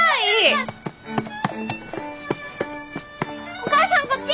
お母さんこっち！